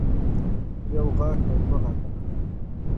يو غاښ او دوه غاښونه